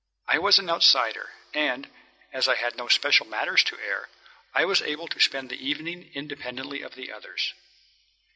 I was an outsider, and, as I had no special matters to air, I was able to spend the evening independently of the others.